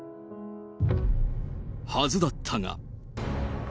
はずだったが。